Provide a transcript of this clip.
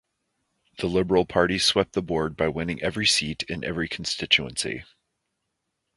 The Liberal party swept the board by winning every seat in every constituency.